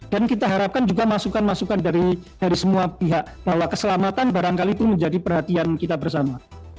dan kita harapkan juga masukan masukan dari semua pihak bahwa keselamatan barangkali itu menjadi perhatian kita bersama